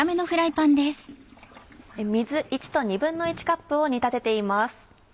水１と１／２カップを煮立てています。